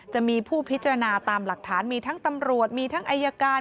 จะมีผู้พิจารณาตามหลักฐานมีทั้งตำรวจมีทั้งอายการ